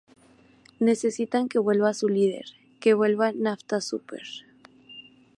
Necesitan que vuelva su líder, que vuelva Nafta Súper.